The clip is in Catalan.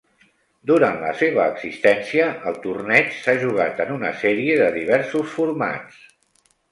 Durant la seva existència, el torneig s'ha jugat en una sèrie de diversos formats.